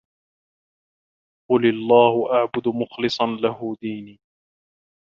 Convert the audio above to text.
قُلِ اللَّهَ أَعبُدُ مُخلِصًا لَهُ ديني